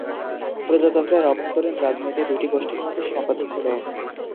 প্রজাতন্ত্রের অভ্যন্তরীণ রাজনীতি দুইটি গোষ্ঠীর মধ্যে সীমাবদ্ধ ছিল।